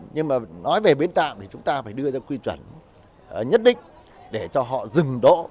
nhưng mà nói về bến tạm thì chúng ta phải đưa ra quy chuẩn nhất định để cho họ dừng đỗ